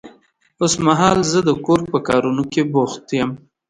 اوس مهال زه د کور په کارونه کې بوخت يم.